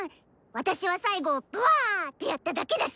私は最後ブワーってやっただけだし！